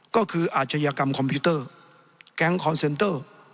ก็คืออาชญากรรมคอมพิวเตอร์แก๊งคอนเซนเตอร์